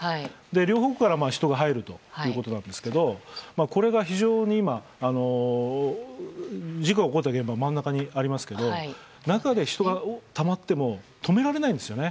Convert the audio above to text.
両方から人が入るということでこれが非常に今事故が起こった現場の真ん中にありますけど中で人がたまっても止められないんですよね。